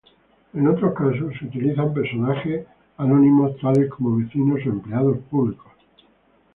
En otros casos se utiliza personajes anónimos tales como vecinos o empleados públicos.